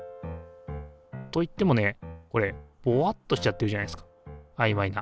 といってもねこれボワっとしちゃってるじゃないですかあいまいな。